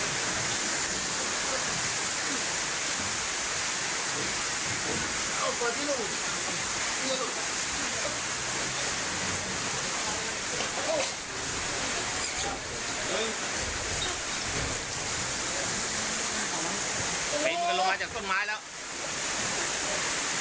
เด็กติดติดอยู่นานไหมฮะนานตั้งแต่แปดโมงอ้ะแปดโมง